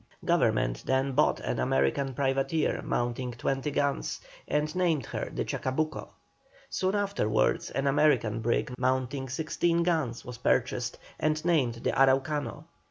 Government then bought an American privateer mounting 20 guns, and named her the Chacabuco. Soon afterwards an American brig mounting 16 guns was purchased, and named the Araucano.